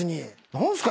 何すか？